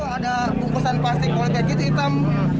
ada bungkusan plastik polybag itu hitam